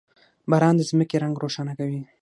• باران د ځمکې رنګ روښانه کوي.